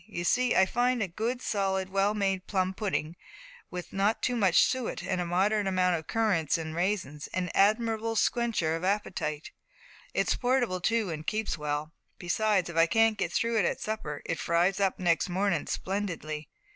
You see I find a good, solid, well made plum pudding, with not too much suet, and a moderate allowance of currants and raisins, an admirable squencher of appetite. It's portable too, and keeps well. Besides, if I can't get through with it at supper, it fries up next mornin' splendidly.